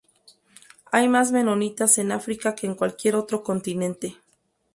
Hay más menonitas en África que en cualquier otro continente.